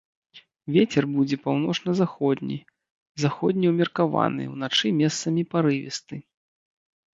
Вецер будзе паўночна-заходні, заходні ўмеркаваны, уначы месцамі парывісты.